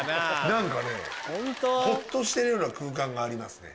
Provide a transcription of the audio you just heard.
何かねほっとしてるような空間がありますね。